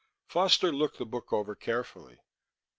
Foster looked the book over carefully.